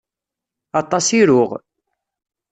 Aṭas i ruɣ.